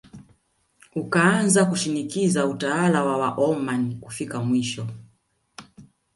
Ukaanza kushinikiza utawala wa Waomani Kufikia mwisho